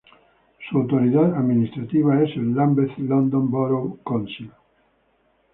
Su autoridad administrativa es el Lambeth London Borough Council.